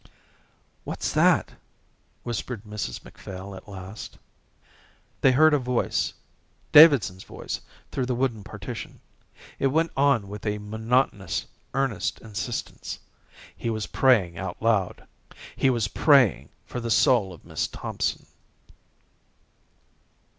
"What's that?" whispered Mrs Macphail at last. They heard a voice, Davidson's voice, through the wooden partition. It went on with a monotonous, earnest insistence. He was praying aloud. He was praying for the soul of Miss Thompson.